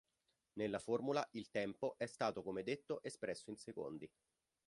Nella formula il tempo è stato come detto espresso in secondi.